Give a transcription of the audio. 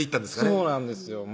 そうなんですよ